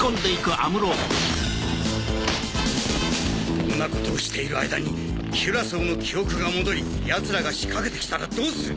こんなことをしている間にキュラソーの記憶が戻り奴らが仕掛けてきたらどうする？